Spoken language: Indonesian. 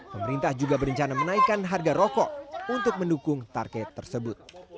pemerintah juga berencana menaikkan harga rokok untuk mendukung target tersebut